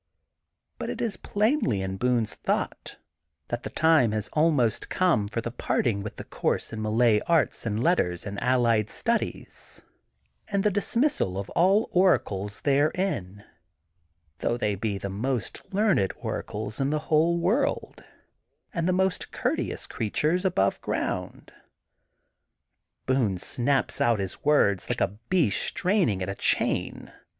But it is plainly in Boone ^s thought that the time has almost come for the parting with the course in Malay Arts and THE GOLDEN BOOK OF SPRINGFIELD 287 Letters and Allied Studies, and the dismissal of all oracles therein, though they be the most learned oracles in the whole world, and the most courteous creatures above ground. Boone snaps out his words like a beast strain ing at a chain.